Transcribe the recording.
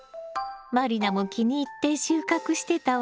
満里奈も気に入って収穫してたわね。